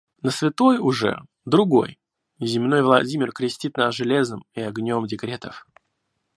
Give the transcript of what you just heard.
Не святой уже — другой, земной Владимир крестит нас железом и огнем декретов.